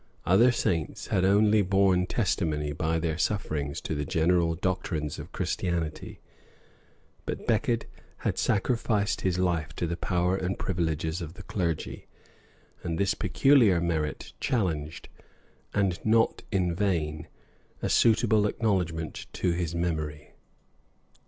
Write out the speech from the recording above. Other saints had only borne testimony by their sufferings to the general doctrines of Christianity; but Becket had sacrificed his life to the power and privileges of the clergy; and this peculiar merit challenged, and not in vain, a suitable acknowledgment to his memory.